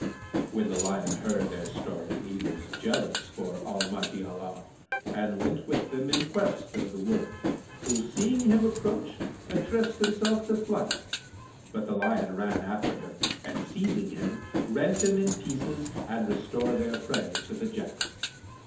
When the Lion heard their story, he was jealous for Almighty Allah[FN#158] and went with them in quest of the Wolf who, seeing him approach addressed himself to flight; but the Lion ran after him and seizing him, rent him in pieces and restored their prey to the Jackals.